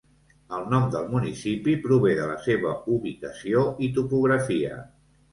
El nom del municipi prové de la seva ubicació i topografia.